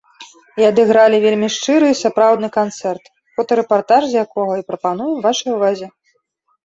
І адыгралі вельмі шчыры і сапраўдны канцэрт, фотарэпартаж з якога і прапануем вашай увазе.